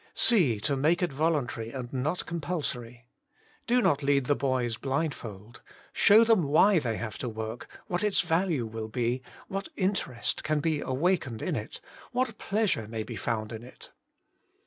See to make it voluntary and not comipul sory. Do not lead the boys blindfold. Show them why they have to work, what its value will be, what interest can be awakened in it, what pleasure may be found in it.